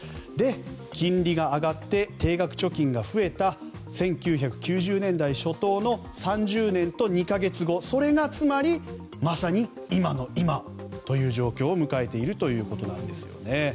金利が上がって定額貯金が増えた１９９０年代初頭の３０年と２か月後それがつまり、まさに今の今という状況を迎えているということなんですね。